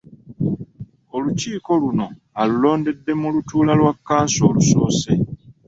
Olukiiko luno alulondedde mu lutuula lwa kkanso olusoose .